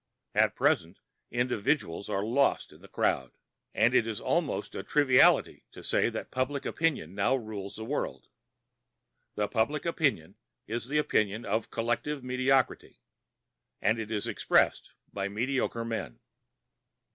At present, individuals are lost in the crowd, and it is almost a triviality to say that public opinion now rules the world. And public opinion is the opinion of collective mediocrity, and is expressed by mediocre men.